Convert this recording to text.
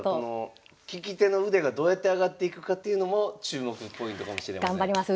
聞き手の腕がどうやって上がっていくかっていうのも注目ポイントかもしれません。